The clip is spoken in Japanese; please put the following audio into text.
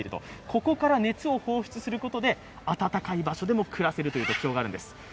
ここから熱を放出することで暖かい場所でも暮らせるという特徴があるんです。